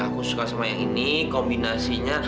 aku suka sama yang ini kombinasinya